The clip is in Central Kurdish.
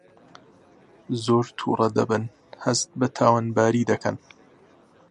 زۆر تووڕە دەبن هەست بە تاوانباری دەکەن